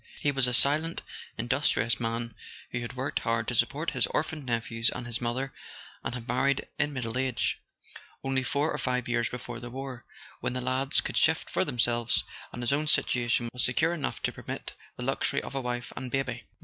He was a silent industrious man, who had worked hard to support his orphaned nephews and his mother, and had married in middle age, only four or five years before the war, when the lads could shift for themselves, and his own situation was secure enough to permit the luxury of a wife and baby.